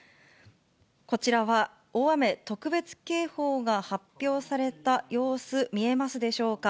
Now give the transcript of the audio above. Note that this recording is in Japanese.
こちらは大雨特別警報が発表された様子、見えますでしょうか。